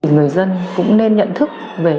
người dân cũng nên nhận thức về